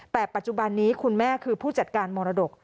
แต่ปัจจุบันนี้คุณแม่คือผู้จัดการมรดก